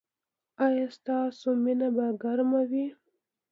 ایا ستاسو مینه به ګرمه وي؟